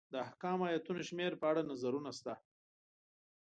د احکامو ایتونو شمېر په اړه نظرونه شته.